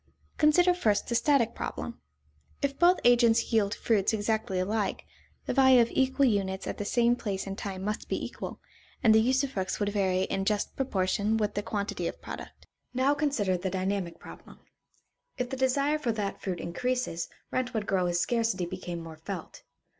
Consider first the static problem. If both agents yield fruits exactly alike, the value of equal units at the same place and time must be equal, and the usufructs would vary in just proportion with the quantity of product. Now consider the dynamic problem. If the desire for that fruit increases, rent would grow as scarcity became more felt.